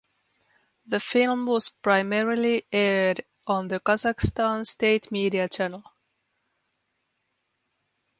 The film was primarily aired on the Qazaqstan state media channel.